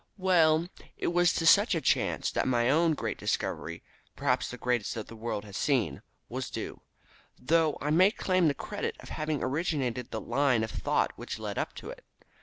"Well, it was to such a chance that my own great discovery perhaps the greatest that the world has seen was due, though I may claim the credit of having originated the line of thought which led up to it.